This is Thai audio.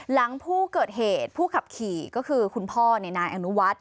หลังผู้เกิดเหตุผู้ขับขี่ก็คือคุณพ่อนายอนุวัฒน์